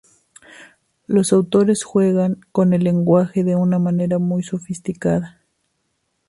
Los autores juegan con el lenguaje de una manera muy sofisticada.